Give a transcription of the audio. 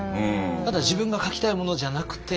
ただ自分が書きたいものじゃなくて。